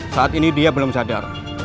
saat ini dia belum sadar